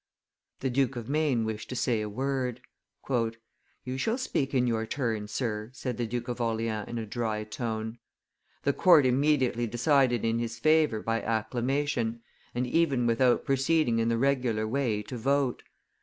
The Duke of Maine wished to say a word. "You shall speak in your turn, Sir," said the Duke of Orleans in a dry tone. The court immediately decided in his favor by acclamation, and even without proceeding in the regular way to vote.